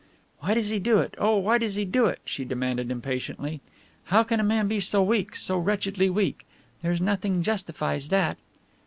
"Why does he do it oh, why does he do it?" she demanded impatiently. "How can a man be so weak, so wretchedly weak? There's nothing justifies that!"